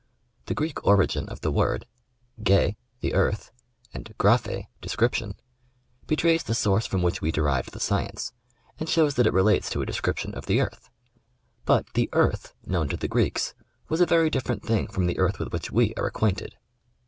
The Greek origin of the word {yij, the earth, and ypatprj, description) betrays the source from which we derived the science, and shows that it relates to a description of the earth. But the " earth " known to the Greeks was a very different thing from the earth with which we are acquainted.